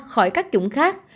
khỏi các chủng khác